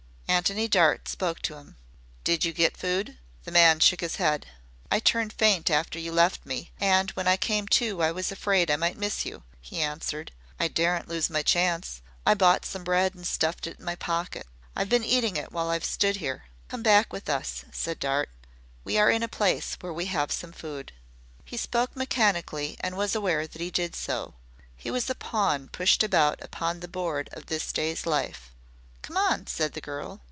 Antony Dart spoke to him. "Did you get food?" The man shook his head. "I turned faint after you left me, and when I came to I was afraid I might miss you," he answered. "I daren't lose my chance. I bought some bread and stuffed it in my pocket. I've been eating it while I've stood here." "Come back with us," said Dart. "We are in a place where we have some food." He spoke mechanically, and was aware that he did so. He was a pawn pushed about upon the board of this day's life. "Come on," said the girl.